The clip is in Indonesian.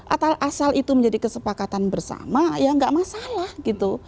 asal asal itu menjadi kesepakatan bersama ya nggak masalah gitu